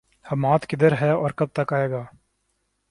حماد، کدھر ہے اور کب تک آئے گا؟